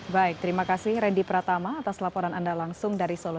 baik terima kasih randy pratama atas laporan anda langsung dari solo